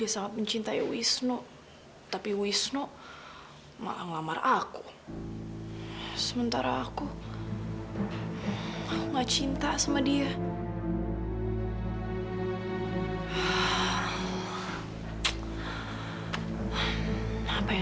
sampai jumpa di video selanjutnya